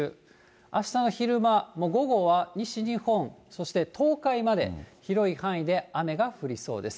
あしたの昼間、午後は西日本、そして東海まで、広い範囲で雨が降りそうです。